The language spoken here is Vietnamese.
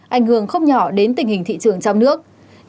ảnh hưởng không nhỏ đến tình hình thị trường trong nước